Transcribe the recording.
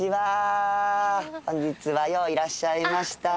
本日はよういらっしゃいました。